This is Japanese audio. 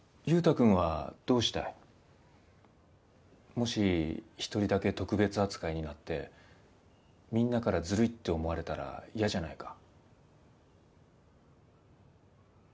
もし一人だけ特別扱いになってみんなからずるいって思われたら嫌じゃないか？